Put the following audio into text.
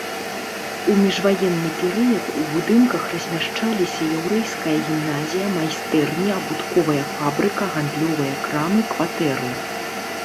У міжваенны перыяд у будынках размяшчаліся яўрэйская гімназія, майстэрні, абутковая фабрыка, гандлёвыя крамы, кватэры.